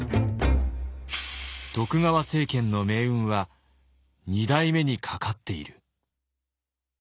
徳川政権の命運は二代目にかかっている。